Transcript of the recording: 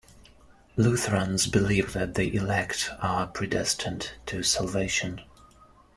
Lutherans believe that the elect are predestined to salvation.